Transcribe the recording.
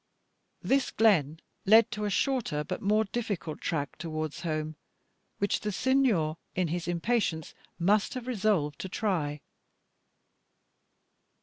This glen led to a shorter but more difficult track towards home, which the Signor, in his impatience, must have resolved to try.